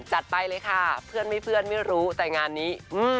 ไปเลยค่ะเพื่อนไม่เพื่อนไม่รู้แต่งานนี้